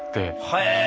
へえ！